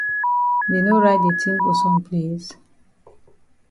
Dey no write de tin for some place?